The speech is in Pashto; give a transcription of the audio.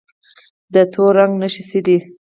د تور زنګ نښې څه دي؟